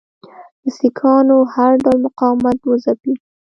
د سیکهانو هر ډول مقاومت وځپي.